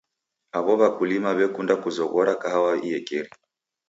Aw'o w'akulima w'ekunda kuzoghora kahawa iekeri.